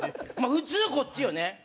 普通こっちよね